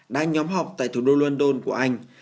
đã nhóm họp tại thủ đô london của anh